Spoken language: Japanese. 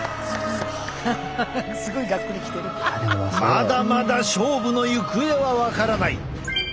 まだまだ勝負の行方は分からない。